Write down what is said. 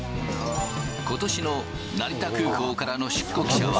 ことしの成田空港からの出国者は、